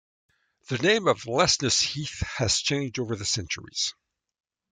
The name of Lessness Heath has changed over the centuries.